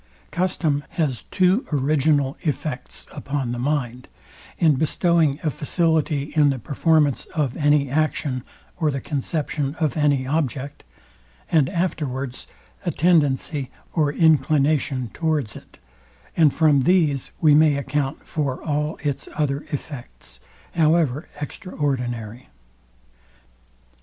Custom has two original effects upon the mind, in bestowing a facility in the performance of any action or the conception of any object; and afterwards a tendency or inclination towards it; and from these we may account for all its other effects, however extraordinary.